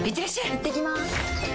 いってきます！